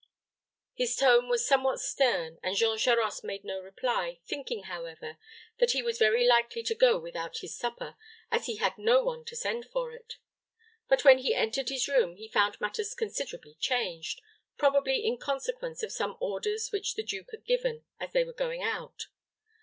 His tone was somewhat stern, and Jean Charost made no reply, thinking, however, that he was very likely to go without his supper, as he had no one to send for it. But when he entered his room he found matters considerably changed, probably in consequence of some orders which the duke had given as they were going out.